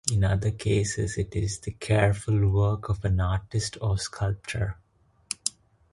In other cases it is the careful work of an artist or sculptor.